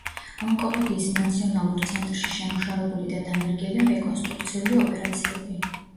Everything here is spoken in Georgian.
ონკოლოგიის ნაციონალურ ცენტრში შემუშავებული და დანერგილია რეკონსტრუქციული ოპერაციები.